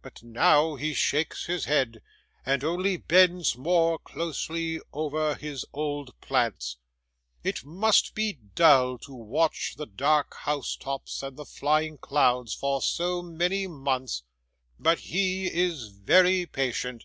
but now he shakes his head, and only bends more closely over his old plants. It must be dull to watch the dark housetops and the flying clouds, for so many months; but he is very patient.